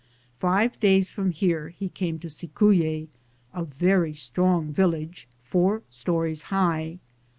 Five days from here he came to Cicuye,* a very strong village four stories high.